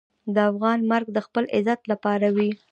د افغان مرګ د خپل عزت لپاره وي.